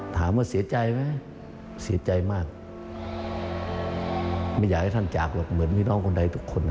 ถามว่าเสียใจไหมเสียใจมากไม่อยากให้ท่านจากหรอกเหมือนพี่น้องคนใดทุกคน